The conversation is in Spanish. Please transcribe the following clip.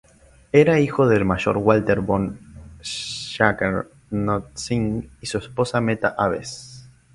Era hijo del mayor Walter von Schrenck-Notzing y su esposa Meta Abbes.